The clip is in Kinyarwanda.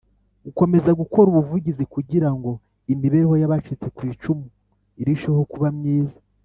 Gukomeza gukora ubuvugizi kugira ngo imibereho y’abacitse ku icumu irusheho kuba myiza